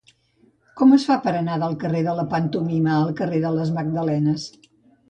Com es fa per anar del carrer de la Pantomima al carrer de les Magdalenes?